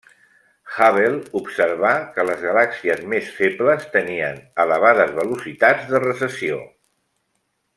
Hubble observà que les galàxies més febles tenien elevades velocitats de recessió.